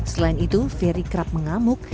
selain itu ferry kerap mengamuk